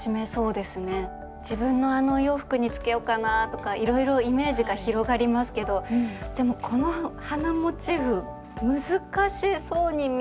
自分のあのお洋服につけようかなとかいろいろイメージが広がりますけどでもこの花モチーフ難しそうに見えるんですけど。